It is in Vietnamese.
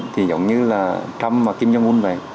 thì giống như là trump và kim jong un vậy